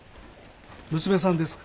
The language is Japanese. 娘さんですか？